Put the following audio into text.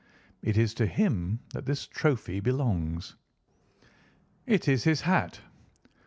"It is to him that this trophy belongs." "It is his hat."